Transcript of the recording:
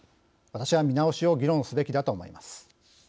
私は見直しを議論すべきだと思います。